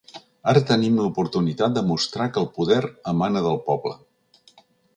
Ara tenim l’oportunitat de mostrar que el poder emana del poble.